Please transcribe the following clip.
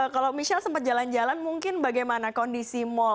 kalau michelle sempat jalan jalan mungkin bagaimana kondisi mal